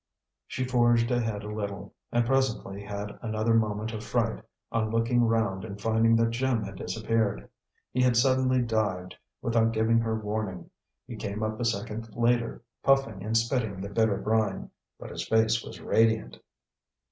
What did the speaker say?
She forged ahead a little, and presently had another moment of fright on looking round and finding that Jim had disappeared. He had suddenly dived, without giving her warning. He came up a second later, puffing and spitting the bitter brine; but his face was radiant.